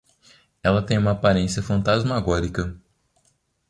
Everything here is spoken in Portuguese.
Ela tem uma aparência fantasmagórica